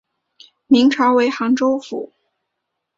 明朝为杭州府。